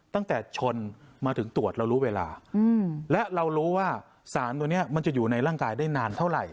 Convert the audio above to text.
ตั้งแต่ชนมาถึงตรวจเรารู้เวลาและเรารู้ว่าสารตัวนี้มันจะอยู่ในร่างกายได้นานเท่าไหร่